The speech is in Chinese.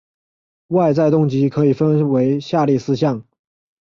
外在动机可以分成下列四项